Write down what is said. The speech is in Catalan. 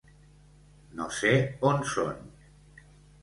No sé on són.